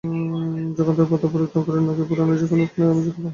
যখন তখন পর্দা পরিবর্তন করে নকিয়ার পুরোনো যেকোনো ফোনের আমেজে খেলা যাবে।